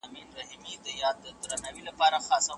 ده وویل چي پښتو زما د هویت او اصالت نښه ده.